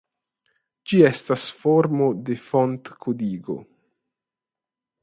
Ĝi estas formo de fontkodigo.